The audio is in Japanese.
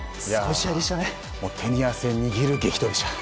手に汗握る激闘でした。